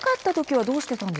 はい。